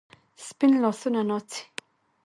سپین لاسونه ناڅي